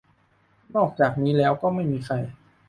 นอกจากนี้แล้วก็ไม่มีใคร